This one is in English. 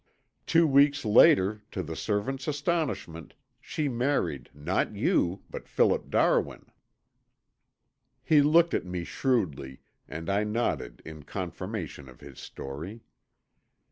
Two weeks later, to the servant's astonishment, she married not you, but Philip Darwin." He looked at me shrewdly and I nodded in confirmation of his story.